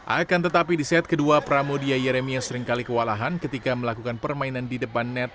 akan tetapi di set kedua pramudia yeremia seringkali kewalahan ketika melakukan permainan di depan net